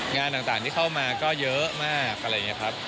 งานต่างที่เข้ามาก็เยอะมากอะไรอย่างนี้ครับ